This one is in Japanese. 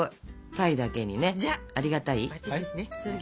「鯛」だけにねありが「たい」？